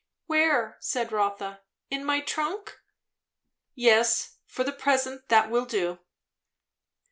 "Where?" said Rotha. "In my trunk?" "Yes, for the present That will do."